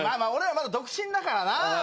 あ俺らまだ独身だからな。